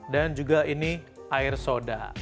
dan juga ini air soda